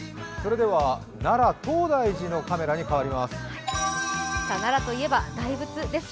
奈良・東大寺のカメラに変わります。